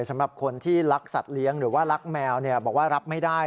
สำหรับคนที่รักสัตว์เลี้ยงหรือว่ารักแมวบอกว่ารับไม่ได้